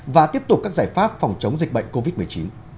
và tiếp tục các giải pháp phòng chống dịch bệnh covid một mươi chín